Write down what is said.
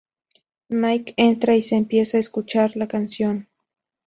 Mike entra y se empieza a escuchar la canción.